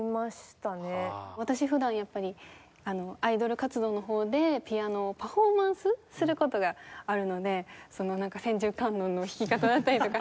私普段やっぱりアイドル活動のほうでピアノをパフォーマンスする事があるので千手観音の弾き方だったりとかちょっと参考にします。